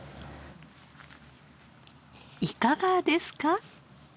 いかがですか？